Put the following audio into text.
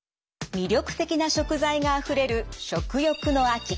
魅力的な食材があふれる食欲の秋。